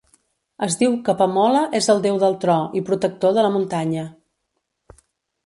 Es diu que Pamola és el déu del tro i protector de la muntanya.